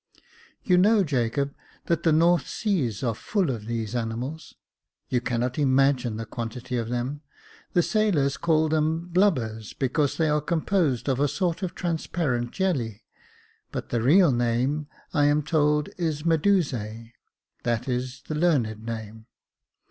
You know, Jacob, that the North Seas are full of these animals — you cannot imagine the quantity of them ; the sailors call them blubbers, because they are composed of a sort of trans parent jelly, but the real name I am told is Medusae, that is the learned name.